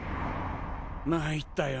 まいったよ。